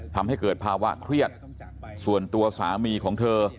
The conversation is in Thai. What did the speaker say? ทำให้เกิดภาวะเครียดส่วนตัวสามีของเธอ